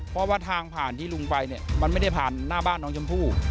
เพราะว่าทางผ่านที่ลุงไปเนี่ยมันไม่ได้ผ่านหน้าบ้านน้องชมพู่